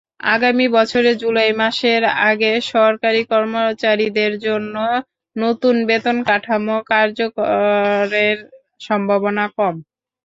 আগামী বছরের জুলাই মাসের আগে সরকারি কর্মচারীদের জন্য নতুন বেতনকাঠামো কার্যকরের সম্ভাবনা কম।